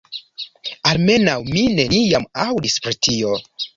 Almenaŭ mi neniam aŭdis pri tio.